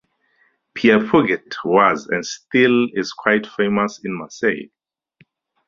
Pierre Puget was and still is quite famous in Marseille.